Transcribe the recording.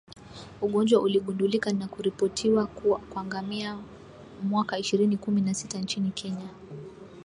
Ugonjwa uligundulika na kuripotiwa kwa ngamia mwaka ishirini kumi na sita nchini Kenya